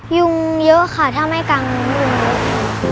ยุงเยอะค่ะถ้าไม่กังยุงเยอะ